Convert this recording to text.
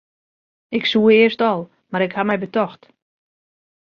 It soe earst al, mar ik haw my betocht.